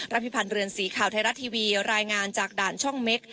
พิพันธ์เรือนสีข่าวไทยรัฐทีวีรายงานจากด่านช่องเม็ก